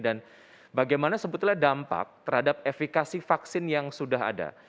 dan bagaimana sebetulnya dampak terhadap efekasi vaksin yang sudah ada